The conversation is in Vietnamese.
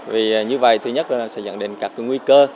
vì như vậy thứ nhất là sẽ dẫn đến các nguy cơ